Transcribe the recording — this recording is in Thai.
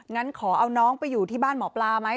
งั้นขอเอาน้องไปอยู่ที่บ้านหมอปลาไหม